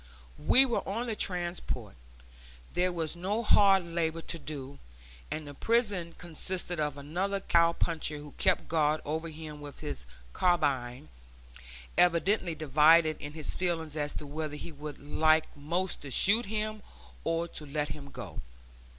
We were on the transport. There was no hard labor to do; and the prison consisted of another cow puncher who kept guard over him with his carbine, evidently divided in his feelings as to whether he would like most to shoot him or to let him go.